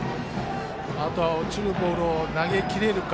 あとは落ちるボールを投げきれるか。